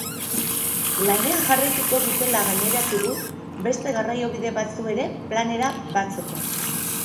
Lanean jarraituko dutela gaineratu du, beste garraiobide batzuk ere planera batzeko.